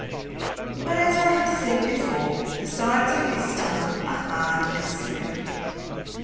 But, as I have said before, the sides of this tunnel are hard and smooth.